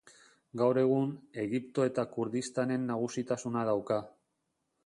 Gaur egun, Egipto eta Kurdistanen nagusitasuna dauka.